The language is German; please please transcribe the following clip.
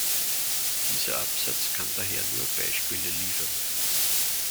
Dieser Absatz kann daher nur Beispiele liefern.